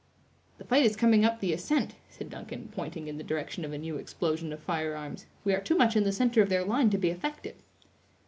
"The fight is coming up the ascent," said Duncan, pointing in the direction of a new explosion of firearms; "we are too much in the center of their line to be effective."